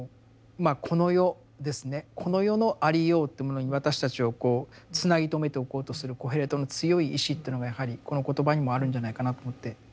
この世ですねこの世のありようっていうものに私たちをこうつなぎ止めておこうとするコヘレトの強い意志というのがやはりこの言葉にもあるんじゃないかなと思って。